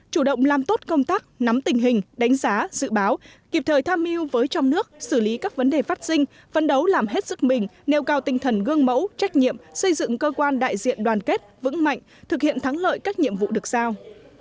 chủ động làm tốt công tác nắm tình hình đánh giá dự báo kịp thời tham mưu với trong nước xử lý các vấn đề phát sinh phấn đấu làm hết sức mình nêu cao tinh thần gương mẫu trách nhiệm xây dựng cơ quan đại diện đoàn kết vững mạnh thực hiện thắng lợi các nhiệm vụ được sao